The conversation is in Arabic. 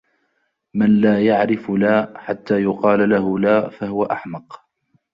مَنْ لَا يَعْرِفُ لَا حَتَّى يُقَالَ لَهُ لَا فَهُوَ أَحْمَقُ